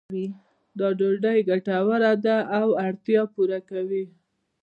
دا ډوډۍ ګټوره ده او اړتیا پوره کوي.